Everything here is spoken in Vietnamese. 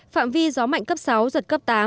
phạm vi gió mạnh cấp sáu giật cấp tám